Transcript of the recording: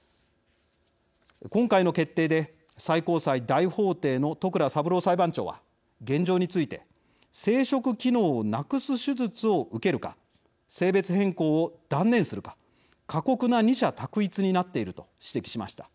今回の決定で最高裁大法廷の戸倉三郎裁判長は現状について生殖機能をなくす手術を受けるか性別変更を断念するか過酷な二者択一になっていると指摘しました。